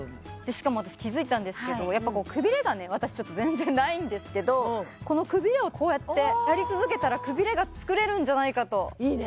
しかも私気付いたんですけどやっぱこうくびれがね私全然ないんですけどこのくびれをこうやってやり続けたらくびれが作れるんじゃないかといいね